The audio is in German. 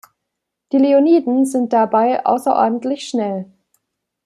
Die Leoniden sind dabei außerordentlich schnell.